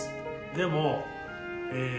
でもえー